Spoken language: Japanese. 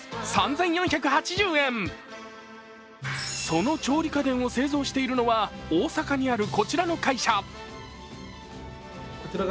その調理家電を製造しているのは大阪にあるこちらの会社。